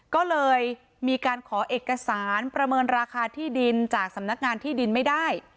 ก็เลยมีการขอเอกสารประเมินราคาที่ดินจากสำนักงานที่ดินไม่ได้